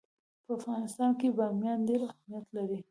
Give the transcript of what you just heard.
په افغانستان کې بامیان ډېر اهمیت لري.